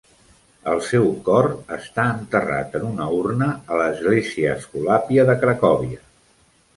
El seu cor està enterrat en una urna a l'església escolàpia de Cracòvia.